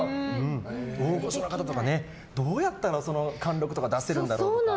大御所の方とかどうやったら貫禄とかだせるんだろうって。